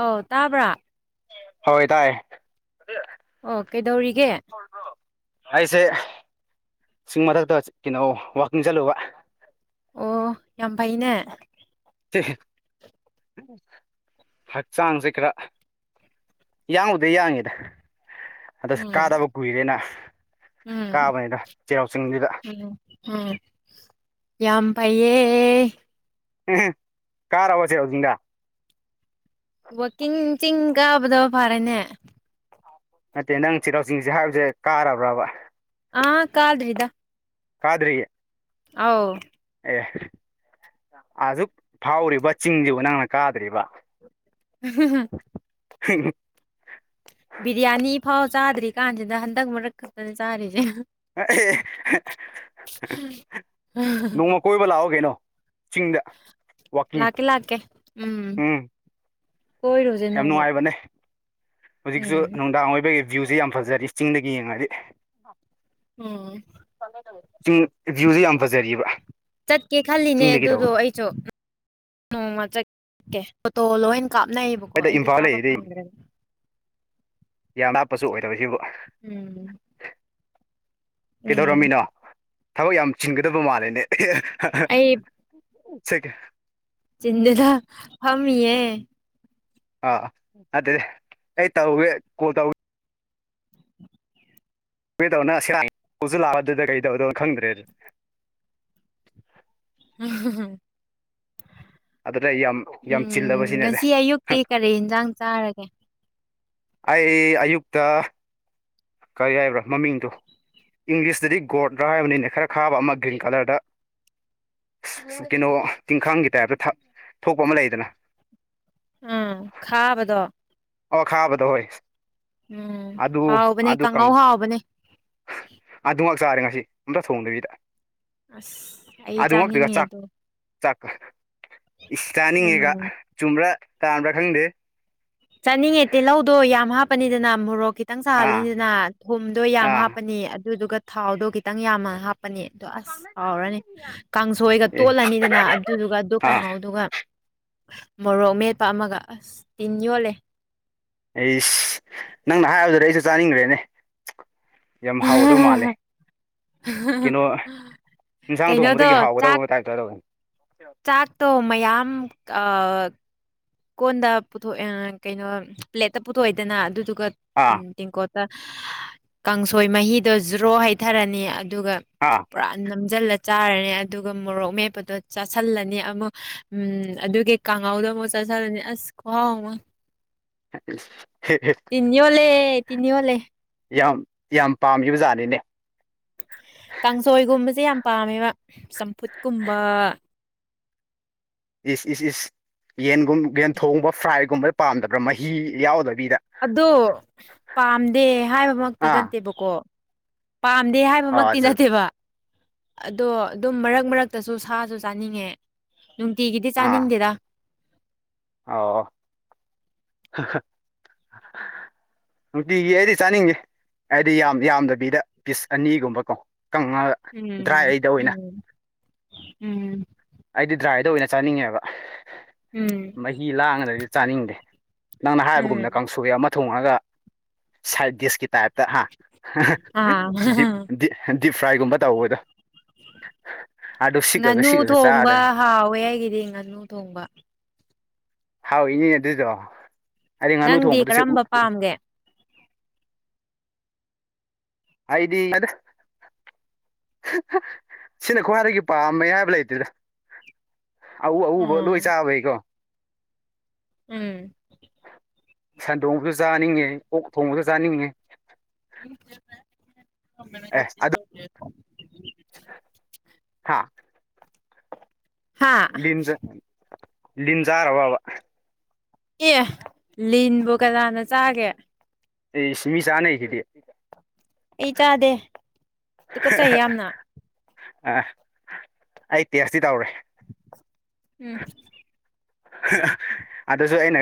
ꯑꯥꯎ ꯇꯥꯕ꯭ꯔꯥ ꯍꯣꯏ ꯇꯥꯏꯌꯦ ꯑꯣ ꯀꯩꯗꯧꯔꯤꯒꯦ ꯑꯩꯁꯦ ꯆꯤꯡ ꯃꯊꯛꯇ ꯀꯩꯅꯣ ꯋꯥꯛꯀꯤꯡ ꯆꯠꯂꯨꯕ ꯑꯣ ꯌꯥꯝ ꯐꯥꯏꯅꯦ ꯏ ꯍꯛꯆꯥꯡꯁꯦ ꯈꯔ ꯌꯥꯎꯗ ꯌꯥꯡꯉꯤꯗ ꯑꯗꯣ ꯀꯥꯗꯕ ꯀꯨꯏꯔꯦꯅ ꯑꯁ ꯎꯝ ꯀꯥꯕꯅꯤꯗ ꯆꯩꯔꯥꯎ ꯆꯤꯡꯗꯨꯗ ꯎꯝ ꯎꯝ ꯌꯥꯝ ꯐꯩꯌꯦ ꯎꯝ ꯀꯥꯔꯛꯑꯣꯁꯦ ꯍꯧꯖꯤꯛꯇ ꯋꯥꯛꯀꯤꯡ ꯆꯤꯡ ꯀꯥꯕꯗꯣ ꯐꯔꯦꯅꯦ ꯅꯠꯇꯦ ꯅꯪ ꯆꯤꯔꯥꯎ ꯆꯤꯡ ꯍꯥꯏꯕꯁꯦ ꯀꯥꯔꯕ꯭ꯔꯕ ꯑꯥ ꯀꯥꯗ꯭ꯔꯤꯗ ꯀꯥꯗ꯭ꯔꯤ ꯑꯥꯎ ꯑꯦ ꯑꯁꯨꯛ ꯐꯥꯎꯔꯤꯕ ꯆꯤꯡꯁꯤꯕꯨ ꯅꯪꯅ ꯀꯥꯗ꯭ꯔꯤꯕ ꯑꯍꯥ ꯍꯥ ꯕꯤꯔꯌꯥꯅꯤ ꯐꯥꯎ ꯆꯥꯗ꯭ꯔꯤ ꯀꯥꯟꯁꯤꯗ ꯍꯟꯗꯛ ꯃꯔꯛ ꯈꯛꯇꯅꯦ ꯆꯥꯔꯤꯁꯦ ꯅꯣꯡꯃ ꯀꯣꯏꯕ ꯂꯥꯛꯑꯣ ꯀꯩꯅꯣ ꯆꯤꯡꯗ ꯋꯥꯀꯤꯡ ꯂꯥꯛꯀꯦ ꯂꯥꯛꯀꯦ ꯎꯝ ꯀꯣꯏꯔꯨꯁꯦ ꯌꯥꯝ ꯅꯣꯡꯃ ꯅꯨꯡꯉꯥꯏꯕꯅꯦ ꯍꯧꯖꯤꯛꯁꯨ ꯎꯝ ꯅꯨꯡꯗꯥꯡ ꯑꯣꯏꯕꯒꯤ ꯚ꯭ꯌꯨꯁꯦ ꯌꯥꯝ ꯐꯖꯔꯝ ꯆꯤꯡꯗꯒꯤ ꯌꯦꯡꯉꯛꯑꯗꯤ ꯎꯝ ꯆꯤꯡ ꯚ꯭ꯌꯨꯁꯦ ꯌꯥꯝ ꯐꯖꯔꯤꯌꯦꯕ ꯆꯠꯀꯦ ꯈꯜꯂꯤꯅꯦ ꯑꯗꯨꯗꯣ ꯑꯩꯁꯨ ꯅꯣꯡꯃ ꯂꯠꯀꯦ ꯐꯣꯇꯣ ꯂꯣꯏꯅ ꯀꯥꯞꯅꯩꯌꯦꯕꯀꯣ ꯑꯩꯗ ꯑꯩꯗꯤ ꯏꯝꯐꯥꯜ ꯀꯥꯞꯕ ꯂꯩꯔꯤꯗꯤ ꯐꯪꯗ꯭ꯔꯦ ꯌꯥꯝ ꯂꯥꯞꯄꯁꯨ ꯑꯣꯏꯗꯕ ꯁꯤꯕꯨ ꯎꯝ ꯎꯝ ꯀꯩꯗꯧꯔꯝꯃꯤꯅꯣ ꯊꯕꯛ ꯌꯥꯝ ꯆꯤꯟꯒꯗꯕ ꯃꯥꯜꯂꯦꯅꯦ ꯑꯩ ꯁꯤ ꯀꯦ ꯆꯤꯟꯗꯁ ꯐꯝꯃꯤꯌꯦ ꯑꯥ ꯑꯗꯨ ꯑꯩ ꯇꯧꯔꯦ ꯀꯣꯜ ꯇꯧ ꯀꯔꯤꯗꯧꯅ ꯁꯔꯥꯡꯁꯨ ꯂꯥꯛꯄꯗꯨꯗ ꯀꯩꯇꯧꯗꯧꯅꯣ ꯈꯪꯗ꯭ꯔꯦ ꯑꯥ ꯍ ꯍ ꯑꯗꯨꯗ ꯌꯥꯝ ꯌꯥꯝ ꯎꯝ ꯆꯤꯜꯂꯕꯁꯤꯅꯦꯗ ꯉꯁꯤ ꯑꯌꯨꯛꯇꯤ ꯀꯔꯤ ꯌꯦꯟꯖꯥꯡ ꯆꯥꯔꯒꯦ ꯑꯩ ꯑꯌꯨꯛꯇ ꯀꯩ ꯍꯥꯏꯕ꯭ꯔꯥ ꯃꯃꯤꯡꯗꯣ ꯏꯪꯂꯤꯁꯇꯗꯤ ꯒꯣꯔꯗ꯭ꯔ ꯍꯥꯏꯕꯅꯤꯅꯦ ꯈꯔ ꯈꯥꯕ ꯑꯃ ꯒ꯭ꯔꯤꯟ ꯀꯂꯔꯗ ꯀꯩꯅꯣ ꯇꯤꯡꯈꯡꯒꯤ ꯇꯥꯏꯞꯇ ꯊꯛ ꯊꯣꯛꯄ ꯑꯃ ꯂꯩꯌꯦꯗꯅ ꯑꯥ ꯈꯥꯕꯗꯣ ꯑꯣ ꯈꯥꯕꯗꯨ ꯍꯣꯏ ꯎꯝ ꯑꯥꯗꯨ ꯍꯥꯎꯕꯅꯦ ꯑꯥꯗꯨ ꯀꯪ ꯀꯥꯡꯉꯧ ꯍꯥꯎꯕꯅꯦ ꯑꯥꯗꯨ ꯆꯥꯔꯦ ꯉꯁꯤ ꯑꯝꯇ ꯊꯣꯡꯗ꯭ꯔꯤꯗ ꯑꯁ ꯑꯩ ꯆꯥꯅꯤꯡꯉꯦ ꯑꯗꯣ ꯥꯆꯥꯛ ꯏꯁ ꯀꯅꯤꯡꯉꯦꯒꯥ ꯎꯝ ꯆꯨꯝꯕ꯭ꯔꯥ ꯇꯥꯥꯟꯕ꯭ꯔꯥ ꯈꯪꯗꯦ ꯆꯥꯅꯤꯡꯉꯦ ꯇꯤꯜꯍꯧꯗꯣ ꯌꯥꯝ ꯍꯥꯞꯄꯅꯤꯗꯅꯥ ꯃꯣꯔꯣꯛ ꯈꯤꯇꯪ ꯑꯥ ꯁꯥꯍꯜꯂꯅꯤꯗꯅꯥ ꯊꯨꯝꯗꯣ ꯌꯥꯝ ꯑꯥ ꯍꯥꯞꯄꯅꯤ ꯑꯗꯨꯗꯨꯒ ꯊꯥꯎꯗꯣ ꯈꯤꯇꯪ ꯌꯥꯝꯃ ꯍꯥꯞ ꯄꯅꯤ ꯑꯗꯣ ꯑꯁ ꯍꯥꯎꯔꯅꯤ ꯀꯥꯡꯁꯣꯏꯒ ꯑꯦ ꯇꯣꯠꯂꯅꯤꯗꯅꯥ ꯑꯗꯨꯗꯨꯒ ꯑꯗꯨ ꯑꯥ ꯀꯥꯡꯍꯧꯗꯨꯒ [inaudible] ꯃꯣꯔꯣꯛ ꯃꯦꯠꯄ ꯑꯃꯒ ꯑꯁ ꯇꯤꯟ ꯌꯣꯠꯂꯦ ꯑꯩꯁ ꯅꯪꯅ ꯍꯥꯏꯕꯗꯨꯗ ꯑꯩꯁꯨ ꯆꯥꯅꯤꯡꯒ꯭ꯔꯦꯅꯦ ꯌꯥꯝ ꯍꯥꯎꯒꯗꯧ ꯃꯥꯜꯂꯦ ꯀꯦꯅꯣ ꯏꯟꯁꯥꯡ ꯀꯩꯅꯣꯗꯣ ꯊꯣꯡꯕꯗꯒꯤ ꯆꯥꯛ ꯍꯥꯎꯒꯗꯕ ꯇꯥꯏꯞꯇ ꯇꯧꯋꯤ ꯆꯥꯛꯇꯣ ꯃꯌꯥꯝ ꯑꯥ ꯀꯣꯟꯗ ꯄꯨꯊꯣꯛꯑꯦ ꯀꯩꯅꯣ ꯄ꯭ꯂꯦꯠꯇ ꯄꯨꯊꯣꯛꯑꯦꯗꯅ ꯑꯗꯨꯗꯨꯒ ꯑꯥ ꯇꯦꯡꯀꯣꯠ ꯇ ꯀꯥꯡꯁꯣꯏ ꯃꯍꯤꯗꯣ ꯖ꯭ꯔꯣ ꯍꯩꯊꯔꯅꯤ ꯑꯗꯨꯒ ꯑꯥ ꯄꯨꯔꯥ ꯅꯝ ꯖꯜꯂ ꯆꯥꯔꯅꯤ ꯑꯗꯨꯒ ꯃꯣꯔꯣꯛ ꯃꯦꯞꯄꯗꯣ ꯆꯥꯥꯁꯜꯂꯅꯤ ꯑꯃꯨꯛ ꯎꯝ ꯑꯗꯨꯒꯤ ꯀꯥꯡꯍꯧꯗꯣ ꯑꯃꯨꯛ ꯥꯆꯥꯁꯜꯂꯅꯤ ꯑꯁ ꯈꯨꯍꯥꯎ ꯑꯃ [inaudible] ꯇꯤꯟ ꯌꯣꯠꯂꯦ ꯇꯤꯟ ꯌꯣꯠꯂꯦ ꯌꯥꯝ ꯌꯥꯝ ꯄꯥꯝꯒꯤꯕ ꯖꯥꯠꯅꯤꯅꯦ ꯀꯥꯡꯁꯣꯏꯒꯨꯝꯕꯁꯦ ꯌꯥꯝ ꯄꯥꯝꯃꯦꯕ ꯆꯝꯐꯨꯠꯀꯨꯝꯕ ꯏꯁ ꯏꯁ ꯏꯁ ꯌꯦꯟꯒꯨꯝ ꯌꯦꯟ ꯊꯣꯡꯕ ꯐ꯭ꯔꯥꯏꯒꯨꯝꯕ ꯄꯥꯝꯗꯕ꯭ꯔꯥ ꯃꯍꯤ ꯌꯥꯎꯗ ꯑꯗꯣ ꯄꯥꯝꯗꯦ ꯍꯥꯏꯕꯃꯛꯇꯤ ꯑꯥ ꯅꯠꯇꯦꯕꯀꯣ ꯄꯥꯝꯗꯦ ꯑꯥ ꯍꯥꯏꯕꯃꯛꯇꯤ ꯆ ꯅꯠꯇꯦꯕ ꯑꯗꯣ ꯑꯗꯨꯝ ꯃꯔꯛ ꯃꯔꯛꯇꯁꯨ ꯁꯥꯖꯨ ꯆꯥꯅꯤꯡꯉꯦ ꯅꯨꯡꯇꯤꯒꯤꯗꯤ ꯆꯥꯅꯤꯡꯗꯦꯗ ꯑꯥꯎ ꯑꯣ [unintelligible] ꯅꯨꯡꯇꯤꯒꯤ ꯑꯩꯗꯤ ꯆꯥꯅꯤꯡꯅꯤ ꯑꯩꯗꯤ ꯌꯥꯝ ꯌꯥꯝꯗꯕꯤꯗ ꯄꯤꯁ ꯑꯅꯤꯒꯨꯝꯕ ꯀꯣ ꯀꯪꯉꯒ ꯎꯝ ꯗ꯭ꯔꯥꯏꯗ ꯑꯣꯏꯅ ꯎꯝ ꯎꯝ ꯑꯩꯗꯤ ꯗ꯭ꯔꯥꯏꯗ ꯑꯣꯏꯅ ꯆꯥꯅꯤꯡꯉꯦꯕ ꯎꯝ ꯃꯍꯤ ꯂꯥꯡꯉꯗꯗꯤ ꯆꯥꯅꯤꯡꯗꯦ ꯅꯪꯅ ꯍꯥꯏꯕꯒꯨꯝꯅ ꯎꯝ ꯀꯥꯡꯁꯣꯏ ꯑꯃ ꯊꯣꯡꯔꯒ ꯁꯥꯏꯠ ꯗꯤꯁꯀꯤ ꯇꯥꯏꯞꯇ ꯍꯥ ꯑꯥ [unintelligible] ꯗꯤꯞ ꯗꯤ ꯗꯤꯞ ꯐ꯭ꯔꯥꯏꯒꯨꯝꯕ ꯇꯧꯕꯗꯣ ꯑꯗꯣ ꯁꯤꯛꯔꯒ ꯉꯥꯅꯨ ꯁꯤꯛꯔꯒ ꯊꯣꯡꯕ ꯍꯥꯎꯋꯦ ꯑꯩꯒꯤꯗꯤ ꯉꯥꯅꯨ ꯊꯣꯡꯕ ꯍꯥꯎꯏꯅꯦ ꯑꯗꯨꯏꯗꯣ ꯑꯩꯗꯤ ꯉꯥꯅꯨ ꯅꯪꯗꯤ ꯊꯣꯡꯕꯗꯁꯦ ꯀꯔꯝꯕ ꯎꯞ ꯄꯥꯝꯒꯦ ꯑꯩꯗꯤ ꯑꯁ [unintelligible] ꯁꯤꯅ ꯈ꯭ꯋꯥꯏꯗꯒꯤ ꯄꯥꯝꯃꯦ ꯍꯥꯏꯕ ꯂꯩꯇꯦꯗ ꯑꯎ ꯑꯎꯕ ꯎꯝ ꯂꯣꯏ ꯆꯥꯕꯩꯀꯣ ꯎꯝ ꯁꯟ ꯊꯣꯡꯕꯁꯨ ꯆꯥꯅꯤꯡꯉꯦ ꯑꯣꯛ ꯊꯣꯡꯕꯁꯨ ꯆꯥꯅꯤꯡꯉꯤ ꯑꯦ ꯑꯗꯨ ꯍꯥ [unintelligible] ꯍꯥꯥ ꯂꯤꯟ ꯂꯤꯟ ꯖꯔꯕꯕ ꯑꯦ ꯂꯤꯟꯕꯨ ꯀꯅꯥꯅ ꯆꯥꯒꯦ ꯏꯁ ꯃꯤ ꯆꯥꯅꯩꯗꯨꯗꯤ ꯑꯩ ꯆꯥꯗꯦ ꯇꯨꯀꯠꯆꯩꯌꯦ ꯌꯥꯝꯅ ꯑꯥ ꯑꯩ ꯇꯦꯁꯇꯤ ꯇꯧꯔꯦ ꯎꯝ [unintelligible] ꯑꯗꯨꯁꯨ ꯑꯩꯅ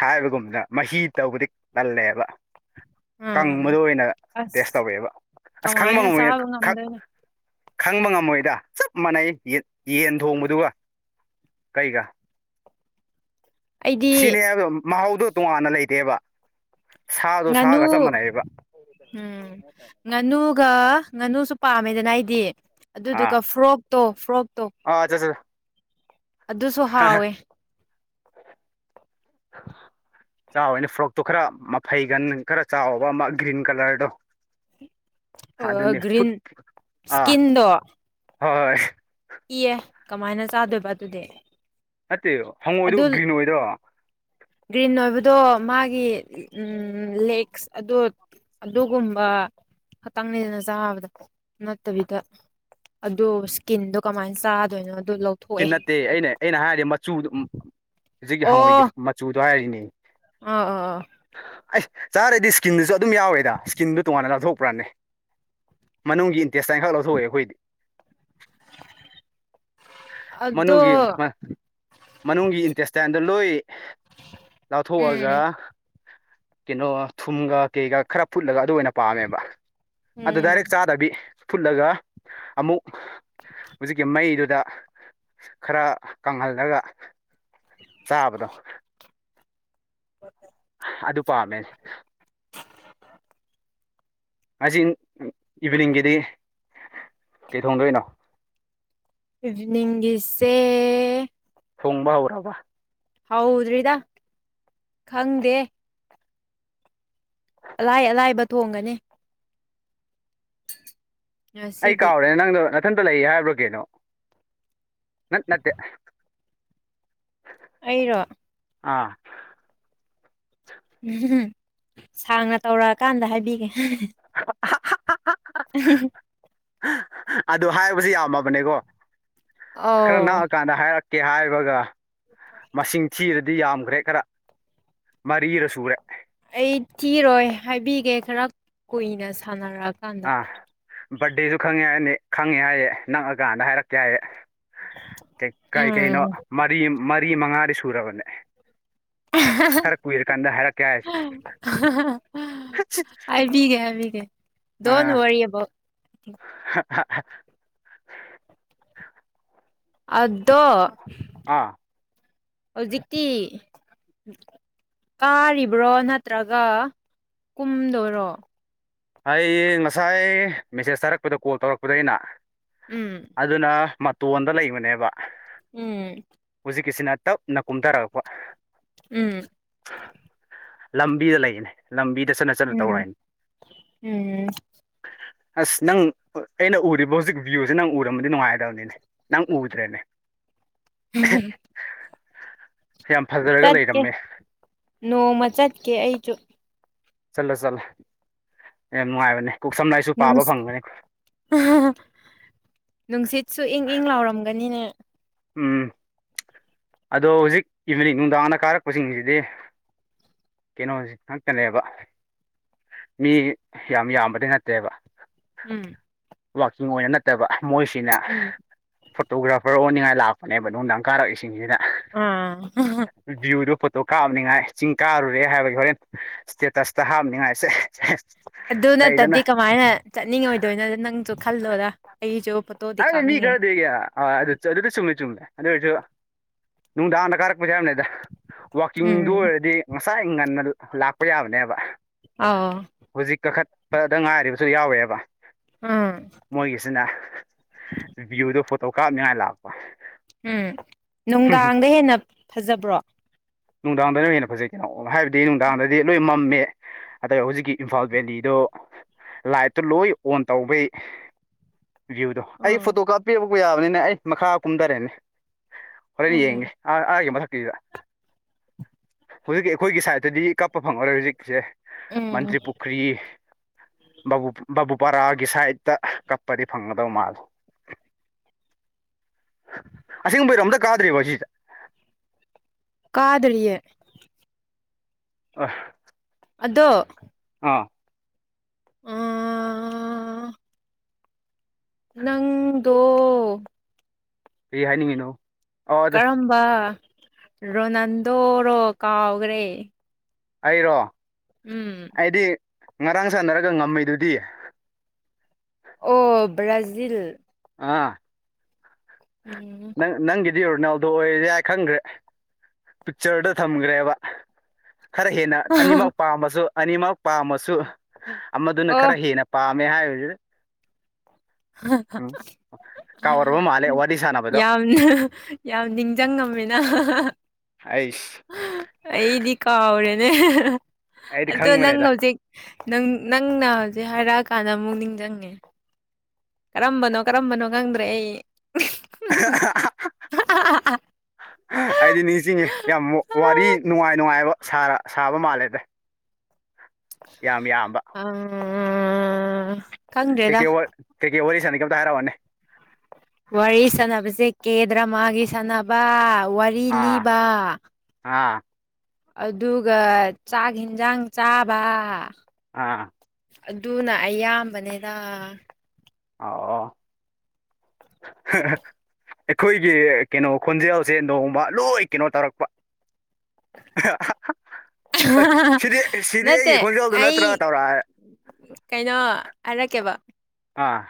ꯍꯥꯏꯕꯒꯨꯝꯕꯅ ꯃꯍꯤ ꯇꯧꯕꯗꯤ ꯇꯜꯂꯦꯕ ꯀꯪꯕꯗꯣ ꯎꯝ ꯑꯣꯏꯅ ꯇꯦꯁ ꯑꯁ ꯇꯧꯋꯦꯕ ꯑꯁ ꯈꯪꯕ ꯀꯃꯥꯏꯅ ꯉꯃꯣꯏ ꯆꯥꯕ ꯈꯪ ꯉꯝꯗꯣꯏꯅꯣ ꯈꯪꯕ ꯉꯝꯃꯣꯏꯗ ꯆꯞ ꯃꯥꯟꯅꯩ ꯌꯦꯟ ꯊꯣꯡꯕꯗꯨꯒ ꯀꯩꯒ ꯑꯩꯗꯤ ꯁꯤꯅꯦ ꯍꯥꯏꯕ ꯃꯍꯥꯎꯗꯣ ꯇꯣꯉꯥꯟꯅ ꯂꯩꯇꯦꯕ ꯁꯥꯗꯣ ꯉꯥꯅꯨ ꯁꯥꯒ ꯆꯞ ꯃꯥꯟꯅꯩꯌꯦꯕ ꯎꯝ ꯉꯥꯅꯨꯒ ꯉꯥꯅꯨꯁꯨ ꯄꯥꯝꯃꯦꯗꯅ ꯑꯩꯗꯤ ꯑꯥ ꯑꯗꯨꯗꯨꯒ ꯐ꯭ꯔꯣꯛ ꯇꯣ ꯐ꯭ꯔꯣꯛ ꯑꯥ ꯖ ꯖꯔ ꯑꯗꯨꯁꯨ ꯍꯥꯎꯋꯦ [inaudible] ꯆꯥꯎꯋꯦꯅ ꯐ꯭ꯔꯣꯛꯇꯣ ꯈꯔ ꯃꯐꯩꯒꯟ ꯈꯔ ꯆꯥꯎꯕ ꯑꯃ ꯒ꯭ꯔꯤꯟ ꯀꯂꯔꯗꯣ ꯑꯗꯨꯅꯦ ꯐꯨꯠ ꯒ꯭ꯔꯤꯟ ꯑꯥ ꯏꯁꯀꯤꯟꯗꯣ ꯍꯣꯏ ꯀꯤꯌꯦ ꯀꯃꯥꯏꯅ ꯆꯥꯗꯣꯏꯕ ꯑꯗꯨꯗꯤ ꯅꯠꯇꯦ ꯍꯪꯉꯣꯏꯗꯣ ꯑꯗꯨ ꯒ꯭ꯔꯤꯟ ꯑꯣꯏꯗꯣ ꯒ꯭ꯔꯤꯟ ꯑꯣꯏꯕꯗꯣ ꯃꯥꯒꯤ ꯂꯦꯛꯁ ꯑꯗꯨ ꯑꯗꯨꯒꯨꯝꯕ ꯈꯥꯇꯪꯡꯅꯤꯗꯅ ꯆꯥꯕꯗ ꯅꯠꯇꯕꯤꯗ ꯑꯗꯣ ꯁꯀꯤꯟꯗꯣ ꯀꯃꯥꯏꯅ ꯆꯥꯗꯣꯏꯅꯣ ꯀꯤ ꯂꯧꯊꯣꯛꯑꯦ ꯅꯠꯇꯦ ꯑꯩꯅ ꯑꯩꯅ ꯍꯥꯏꯔꯤ ꯃꯆꯨꯗꯣ ꯍꯧꯖꯤꯛꯀꯤ ꯑꯣ ꯍꯪꯉꯣꯏꯒꯤ ꯃꯆꯨꯗꯣ ꯍꯥꯏꯔꯤꯅꯦ ꯑꯥ ꯑꯥ ꯑꯥ ꯑꯩꯁ ꯆꯥꯔꯗꯤ ꯏꯁꯀꯤꯟꯗꯨꯁꯨ ꯑꯗꯨꯝ ꯌꯥꯎꯋꯦꯗ ꯏꯁꯀꯤꯟꯗꯨ ꯇꯣꯉꯥꯟꯅ ꯂꯧꯊꯣꯛꯄ꯭ꯔꯥꯅꯦ ꯃꯅꯨꯡꯒꯤ ꯇꯦꯁꯇꯥꯏꯈꯛ ꯂꯧꯊꯣꯛꯑꯦ ꯑꯩꯈꯣꯏꯗꯤ ꯑꯗꯣ ꯃꯅꯨꯡꯒꯤ ꯃꯅꯨꯡꯒꯤ ꯏꯟꯇꯦꯁꯇꯥꯏꯟꯗꯣ ꯂꯣꯏ ꯎꯝ ꯂꯧꯊꯣꯛꯑꯒ ꯀꯩꯅꯣ ꯊꯨꯝꯒ ꯀꯩꯒ ꯈꯔ ꯐꯨꯠꯂꯒ ꯑꯗꯨ ꯑꯣꯏꯅ ꯄꯥꯝꯃꯦꯕ ꯑꯗꯨ ꯎꯝ ꯗꯥꯏꯔꯦꯛ ꯆꯗ꯭ꯔꯗꯤ ꯐꯨꯠꯂꯒ ꯑꯃꯨꯛ ꯍꯧꯖꯤꯛꯀꯤ ꯃꯩꯗꯨꯗ ꯈꯔ ꯀꯪꯍꯜꯂꯒ ꯆꯥꯕꯗꯣ ꯑꯗꯨ ꯄꯥꯝꯃꯦ ꯉꯥꯁꯤ ꯏꯚꯤꯅꯤꯡꯒꯤꯗꯤ ꯀꯩ ꯊꯣꯡꯗꯣꯏꯅꯣ ꯏꯕꯤꯅꯤꯡꯒꯤꯁꯦ ꯊꯣꯡꯕ ꯍꯧ꯭ꯔꯕ ꯍꯧꯗ꯭ꯔꯤꯗ ꯈꯪꯗꯦ ꯑꯂꯥꯏ ꯑꯂꯥꯏꯕ ꯊꯣꯡꯒꯅꯤ [inaudible] ꯑꯩ ꯉꯁꯤꯗꯤ ꯀꯥꯎꯔꯦ ꯅꯪꯗꯣ ꯏꯊꯟꯇ ꯂꯩ ꯍꯥꯏꯕ꯭ꯔꯥ ꯀꯩꯅꯣ ꯅꯠ ꯅꯠꯇꯦ ꯑꯩꯔꯣ ꯑꯥ ꯎꯝ ꯁꯥꯡꯅ ꯇꯧꯔꯛꯑꯀꯥꯟꯗ ꯍꯥꯏꯕꯤꯒꯦ [unintelligible] [unintelligible] ꯑꯗꯨ ꯍꯥꯏꯔꯁꯨ ꯌꯥꯝꯃꯕꯅꯤꯀꯣ ꯈꯔ ꯑꯧ ꯅꯪꯛꯑꯀꯥꯟꯗ ꯍꯥꯏꯔꯛ ꯀꯦ ꯍꯥꯏꯕꯒ ꯃꯁꯤꯡ ꯊꯤꯔꯗꯤ ꯗꯤ ꯌꯥꯝꯈ꯭ꯔꯦ ꯈꯔ ꯃꯔꯤꯔ ꯁꯨꯔꯦ ꯑꯩ ꯊꯤꯔꯣꯏ ꯍꯥꯏꯕꯤꯒꯦ ꯈꯔ ꯀꯨꯏꯅ ꯁꯥꯟꯅꯔꯛꯑꯀꯥꯟꯗ ꯑꯥ ꯕꯥꯔꯗꯦꯁꯨ ꯈꯪꯉꯦ ꯍꯥꯏꯅꯤ ꯈꯪꯉꯦ ꯍꯥꯏꯌꯦ ꯅꯪꯑꯀꯥꯟꯗ ꯍꯥꯏꯔꯛꯀꯦ ꯍꯥꯏꯌꯦ ꯀꯩ ꯀꯩꯅꯣ ꯎꯝ ꯃꯔꯤ ꯃꯔꯤ ꯃꯉꯥꯗꯤ ꯁꯨꯔꯕꯅꯦ ꯈꯔ ꯀꯨꯏꯔꯀꯥꯟꯗ ꯍꯥꯏꯔꯛꯀꯦ ꯍꯥꯏꯁꯦ [unintelligible] ꯑꯕꯤꯒꯦ ꯍꯥꯏꯕꯤꯒꯦ ꯗꯣꯟ ꯑ ꯋꯥꯔꯤ ꯑꯕꯥꯎꯠ [unintelligible] ꯑꯗꯣ ꯑꯥ ꯍꯧꯖꯤꯛꯇꯤ ꯀꯥꯔꯤꯕ꯭ꯔꯣ ꯅꯠꯇ꯭ꯔꯒ ꯀꯨꯝꯗꯣꯏꯔꯣ ꯑꯩ ꯉꯁꯥꯏ ꯃꯦꯁꯦꯖ ꯊꯥꯔꯛꯄꯗ ꯀꯣꯜ ꯇꯧꯔꯛꯄꯗ ꯑꯩꯅ ꯎꯝ ꯑꯗꯨꯅ ꯃꯇꯣꯟꯗ ꯂꯩꯕꯅꯦꯕ ꯎꯝ ꯍꯧꯖꯤꯛꯀꯤꯁꯤꯅ ꯇꯞꯅ ꯀꯨꯝꯊꯔꯛꯄ ꯎꯝ ꯂꯝꯕꯤꯗ ꯂꯩꯌꯦꯅꯦ ꯂꯝꯕꯤꯗ ꯆꯠꯅ ꯆꯠꯅ ꯎꯝ ꯇꯧꯔꯛꯏꯅꯤ ꯎꯝ ꯑꯁ ꯅꯪ ꯑꯩꯅ ꯎꯔꯤꯕ ꯍꯧꯖꯤꯛ ꯚ꯭ꯤꯌꯨꯁꯦ ꯅꯪ ꯎꯔꯃꯗꯤ ꯅꯨꯡꯉꯥꯏꯗꯕꯅꯤꯅꯦ ꯅꯪ ꯎꯗ꯭ꯔꯦꯅꯦ [unintelligible] ꯌꯥꯝ ꯐꯖꯔꯒ ꯆꯠꯀꯦ ꯂꯩꯔꯝꯃꯦ ꯅꯣꯡꯃ ꯆꯠꯀꯦ ꯑꯩꯖꯨ ꯆꯠꯂꯣ ꯆꯠꯂꯣ ꯌꯥꯝ ꯅꯨꯡꯉꯥꯏꯕꯅꯦ ꯀꯣꯛ ꯁꯝꯂꯥꯏꯁꯨ ꯄꯥꯕ [unintelligible] ꯐꯪꯒꯅꯤ ꯅꯨꯡꯁꯤꯠꯁꯨ ꯏꯪ ꯏꯪ ꯂꯥꯎꯔꯝꯒꯅꯤꯅꯦ ꯎꯝ ꯑꯗꯣ ꯍꯧꯖꯤꯛ ꯏꯚꯅꯤꯡ ꯅꯨꯡꯗꯥꯡꯗ ꯀꯥꯔꯛꯄꯁꯤꯡꯁꯤꯗꯤ ꯀꯩꯅꯣꯁꯤ ꯈꯛꯇꯅꯦꯕ ꯃꯤ ꯌꯥꯝ ꯌꯥꯝꯕꯗꯤ ꯅꯠꯇꯦꯕ ꯎꯝ ꯋꯥꯛꯀꯤꯡ ꯑꯣꯏꯅ ꯅꯠꯇꯕ ꯃꯣꯏꯁꯤꯅ ꯎꯝ ꯐꯣꯇꯣꯒ꯭ꯔꯥꯐꯔ ꯑꯣꯅꯤꯡꯉꯥꯏ ꯂꯥꯛꯄꯅꯦꯕ ꯅꯨꯡꯗꯥꯥꯡ ꯀꯥꯔꯛꯏꯁꯤꯡꯁꯤꯗ ꯑꯥ ꯑꯗꯣ ꯀꯥꯞꯅꯤꯉꯥꯏ ꯆꯤꯡ ꯀꯥꯔꯨꯔꯦ ꯍꯥꯏꯕꯒꯤ ꯍꯣꯔꯦꯟ ꯏꯁ꯭ꯇꯦꯇꯁꯇ ꯍꯥꯞꯅꯤꯉꯥꯏꯁꯦ ꯑꯗꯨ ꯅꯠꯇꯗꯤ ꯀꯃꯥꯏꯅ ꯆꯠꯅꯤꯡꯉꯣꯏꯗꯣꯏꯅꯣꯗ ꯅꯪꯁꯨ ꯈꯜꯂꯣꯔ ꯑꯩꯁꯨ ꯐꯣꯇꯣꯗꯤ ꯍꯥꯏꯅꯦ ꯃꯤ ꯀꯥꯞꯅꯤꯡꯉꯦ ꯈꯔꯗꯤ ꯑꯗꯨꯗꯤ ꯆꯨꯝꯃꯦ ꯆꯨꯝꯃꯦ ꯑꯗꯨ ꯑꯣꯏꯔꯁꯨ ꯅꯨꯡꯗꯥꯡꯗꯀꯔꯛ [unintelligible] ꯋꯥꯛꯀꯤꯡꯗꯨ ꯎꯝ ꯑꯣꯏꯔꯗꯤ ꯉꯁꯥꯏ ꯉꯟꯅ ꯂꯥꯛꯄ ꯌꯥꯕꯅꯦꯕ ꯑꯥꯎ ꯍꯧꯖꯤꯛ ꯀꯥꯈꯠꯄꯗ ꯉꯥꯏꯔꯤꯕꯁꯨ ꯌꯥꯎꯋꯦꯕ ꯎꯝ ꯃꯣꯏꯒꯤꯁꯤꯅ ꯚꯤꯌꯨꯗꯣ ꯐꯣꯇꯣ ꯀꯥꯞꯅꯤꯉꯥꯏ ꯂꯥꯛꯄ ꯎꯝ ꯅꯨꯡꯗꯥꯡꯗ ꯍꯦꯟꯅ ꯐꯖꯕ꯭ꯔꯣ ꯅꯨꯡꯗꯥꯡꯗꯅꯣꯏ ꯍꯦꯟꯅ ꯐꯖꯩ ꯍꯥꯏꯕꯗꯤ ꯅꯨꯡꯗꯥꯡꯗꯗꯤ ꯂꯣꯏ ꯃꯝꯃꯦ ꯑꯗ ꯍꯧꯖꯤꯛꯀꯤ ꯏꯝꯐꯥꯜ ꯚꯦꯂꯤꯗꯣ ꯂꯥꯏꯠꯇꯨ ꯂꯣꯏ ꯑꯣꯟ ꯇꯧꯕꯩ ꯚ꯭ꯤꯌꯨꯗꯣ ꯑꯩ ꯎꯝ ꯐꯣꯇꯣ ꯀꯥꯞꯄꯤꯔꯛꯄ ꯌꯥꯕꯅꯤꯅ ꯑꯩ ꯃꯈꯥ ꯀꯨꯝꯊꯔꯦꯅꯦ ꯎꯝ [unintelligible] ꯑꯥ ꯑꯥꯒꯤ ꯃꯊꯥꯛꯀꯤ ꯚꯤꯑꯎ ꯗ ꯍꯧꯖꯤꯛꯀꯤ ꯑꯩꯈꯣꯏꯒꯤ ꯁꯥꯏꯠꯇꯗꯤ ꯀꯥꯄ ꯐꯪꯉꯔꯣꯏ ꯍꯧꯖꯤꯛꯁꯦ ꯎꯝ ꯃꯥꯟꯇ꯭ꯔꯤ ꯄꯨ꯭ꯈꯔꯤ ꯕꯨꯨ ꯕꯥꯕꯨꯨ ꯕꯔꯥꯒꯤ ꯁꯥꯏꯗꯠꯇ ꯀꯞꯄꯗꯤ ꯐꯪꯒꯗꯧ ꯃꯥꯜꯂꯦ ꯑꯁꯦꯡꯕꯩꯔꯣ ꯑꯝꯇ ꯀꯥꯗ꯭ꯔꯤꯕꯣ ꯁꯤꯁꯦ ꯀꯥꯗꯔꯤꯌꯦ ꯑꯥ ꯑꯗꯣ ꯑꯥ ꯎꯝ ꯅꯪꯗꯣ ꯀꯩ ꯍꯥꯏꯅꯤꯡꯉꯤꯅꯣ ꯑꯣ ꯑꯗ ꯀꯔꯝꯕ ꯔꯣꯅꯥꯜꯗꯣꯔꯣ ꯀꯥꯎꯈ꯭ꯔꯦ ꯑꯩꯔꯣ ꯎꯝ ꯑꯩꯗꯤ ꯉꯔꯥꯡ ꯁꯥꯟꯅꯔꯒ ꯉꯝꯃꯤꯗꯨꯗꯤ ꯑꯣ ꯕ꯭ꯔꯥꯖꯤꯜ ꯑꯥ ꯎꯝ ꯗꯤ ꯔꯣꯅꯥꯜꯗꯣ ꯑꯣꯏꯔꯁꯦ ꯍꯥꯏ ꯈꯪꯈ꯭ꯔꯦ ꯄꯤꯛꯆꯔꯗ ꯊꯝꯈ꯭ꯔꯦꯕ ꯈꯔ ꯍꯦꯟꯅ ꯑꯅꯤꯃꯛ ꯄꯥꯝꯃꯁꯨ ꯑꯅꯤꯃꯛ ꯄꯥꯝꯃꯁꯨ ꯑꯃꯗꯨꯅ ꯑꯣ ꯈꯔ ꯍꯦꯟꯅ ꯄꯥꯝ ꯃꯦ ꯍꯥꯏꯖꯦ ꯀꯥꯎꯔꯕ ꯃꯥꯜꯂꯦ ꯋꯥꯔꯤ ꯁꯥꯟꯅꯕꯗꯣ ꯌꯥꯝꯅ ꯌꯥꯝ ꯅꯤꯡꯁꯤꯡꯉꯝꯃꯤꯅ ꯑꯩꯁ ꯑꯩꯗꯤ ꯀꯥꯎꯔꯦ ꯑꯩꯗꯤ ꯑꯗꯣ ꯅꯪ ꯈꯪꯕꯅꯦꯗ ꯍꯧꯖꯤꯛ ꯅꯪꯅ ꯁꯤ ꯍꯥꯏꯔꯛꯑꯀꯥꯟꯗ ꯑꯃꯨꯛ ꯅꯤꯡꯁꯤꯡꯉꯦ ꯀꯔꯝꯕꯅꯣ ꯀꯔꯝꯕꯅꯣ ꯈꯪꯗ꯭ꯔꯦ ꯑꯩ [unintelligible] ꯑꯩꯗꯤ ꯅꯤꯡꯁꯤꯡꯉꯦ ꯌꯥꯝ ꯋꯥꯔꯤ ꯅꯨꯡꯉꯥꯏ ꯅꯨꯡꯉꯥꯏꯕ ꯁꯔꯥ ꯁꯥꯕ ꯃꯥꯜꯂꯦꯗ ꯌꯥꯝ ꯌꯥꯝꯕ ꯑ ꯀꯩ ꯈꯪꯗ꯭ꯔꯦꯗ ꯀꯩ ꯋꯠ ꯀꯩꯀꯩ ꯋꯥꯔꯤ ꯁꯥꯟꯅꯒꯦ ꯑꯝꯇ ꯍꯥꯏꯔꯛꯎꯅꯦ ꯋꯥꯔꯤ ꯁꯥꯟꯅꯕꯁꯦ ꯀꯦꯗ꯭ꯔꯃꯥꯒꯤ ꯁꯥꯟꯅꯕ ꯋꯥꯔꯤ ꯑꯥ ꯂꯤꯕ ꯑꯥ ꯑꯗꯨꯒ ꯆꯥꯛ ꯍꯤꯟꯖꯥꯡ ꯆꯥꯕ ꯑꯥ ꯑꯗꯨꯅ ꯑꯌꯥꯝꯕꯅꯦꯗ ꯑꯧ ꯑꯣ [unintelligible] ꯑꯩꯈꯣꯏꯒꯤ ꯀꯩꯅꯣ ꯈꯣꯟꯖꯦꯜꯁꯦ ꯅꯣꯡꯃ ꯂꯣꯏ ꯀꯩꯅꯣ ꯇꯧꯔꯛꯄ [unintelligible] ꯍꯣꯏ ꯁꯤꯗꯤ ꯁꯤꯗꯤ ꯑꯩꯒꯤ ꯅꯠꯇꯦ ꯈꯣꯟꯖꯦꯜꯗꯨ ꯑꯩ ꯅꯠꯇ꯭ꯔꯒ ꯇꯧꯔꯑꯦ ꯀꯩꯅꯣ ꯍꯥꯏꯔꯛꯀꯦꯕ ꯑꯥ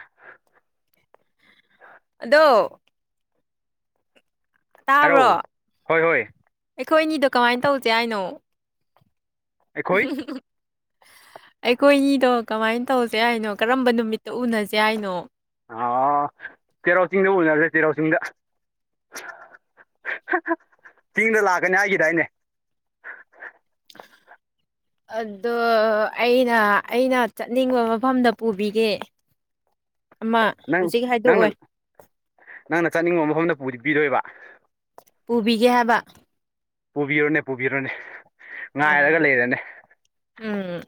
ꯑꯗꯣ ꯍꯥꯏꯔꯧ ꯍꯣꯏ ꯍꯣꯏ ꯈꯣꯏꯅꯤꯗꯣ ꯀꯃꯥꯏ ꯇꯧꯁꯦ ꯍꯥꯏꯅꯣ ꯑꯩꯈꯣꯏ [unintelligible] ꯑꯩꯈꯣꯏꯅꯤꯗꯣ ꯀꯃꯥꯏꯅ ꯇꯧꯁꯦ ꯍꯥꯏꯅꯣ ꯀꯔꯝꯕ ꯅꯨꯃꯤꯠꯇ ꯎꯅꯁꯦ ꯍꯥꯏꯅꯣ ꯑꯥ ꯆꯦꯔꯥꯎ ꯆꯤꯡꯗ ꯎꯅꯔꯁꯦ ꯆꯦꯔꯥꯎ ꯆꯤꯡꯗ [unintelligible] ꯆꯤꯡꯗ ꯂꯥꯛꯀꯅꯤ ꯍꯥꯏꯒꯤꯗꯥꯏꯅꯦ [inaudible] ꯑꯗꯣ ꯑꯩꯅ ꯑꯩꯅ ꯆꯠꯅꯤꯡꯕ ꯃꯐꯝꯗ ꯄꯨꯕꯤꯒꯦ ꯑꯃ ꯅꯪ ꯍꯧꯖꯤꯛ ꯅꯪꯅ ꯍꯥꯏꯗꯣꯛꯑꯣꯏ ꯅꯪꯅ ꯆꯠꯅꯤꯡꯕ ꯃꯐꯝꯗ [unintelligible] ꯄꯤꯗꯣꯏꯕ ꯄꯨꯕꯤꯒꯦ ꯍꯥꯏꯕ ꯄꯨꯕꯤꯔꯣꯅꯦ ꯄꯨꯕꯤꯔꯣꯅꯦ ꯑꯥ ꯉꯥꯏꯔꯒ ꯂꯩꯔꯦꯅꯦ ꯎꯝ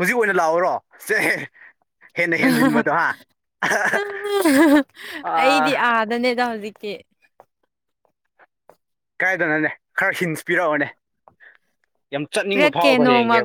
ꯍꯧꯖꯤꯛ ꯑꯣꯏꯅ ꯂꯥꯛꯑꯣꯔꯣ ꯁꯦ ꯍꯦꯟꯅ ꯍꯦꯟꯖꯤꯟꯕꯗꯣ ꯍꯥ [unintelligible] ꯑꯥ ꯀꯦ ꯀꯥꯏꯗꯅꯣꯅꯦ ꯈꯔ ꯍꯤꯟꯁ ꯄꯤꯔꯛꯑꯣꯅꯦ ꯌꯥꯝ ꯆꯠꯅꯤꯡꯕ ꯄꯤꯔꯛꯀꯦ ꯐꯥꯎꯕ ꯅꯣꯡꯃ ꯌꯦꯡꯒꯦꯕ